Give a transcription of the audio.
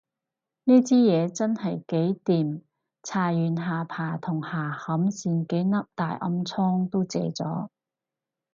呢支嘢真係幾掂，搽完下巴同下頷線幾粒大毒瘡都謝咗